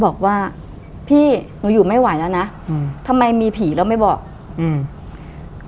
บอกว่าพี่หนูอยู่ไม่ไหวแล้วนะอืมทำไมมีผีแล้วไม่บอกอืม